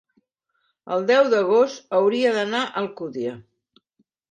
El deu d'agost hauria d'anar a Alcúdia.